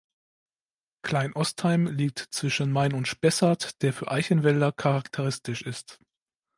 Kleinostheim liegt zwischen Main und Spessart, der für Eichenwälder charakteristisch ist.